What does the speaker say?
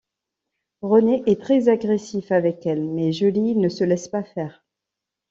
René est très agressif avec elle, mais Julie ne se laisse pas faire.